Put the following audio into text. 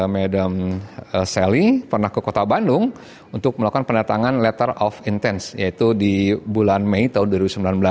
medan selling pernah ke kota bandung untuk melakukan penatangan letter of intens yaitu di bulan mei tahun dua ribu sembilan belas